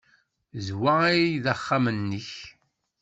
D wa ay d axxam-nnek?